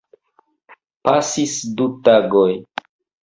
Pasis du tagoj.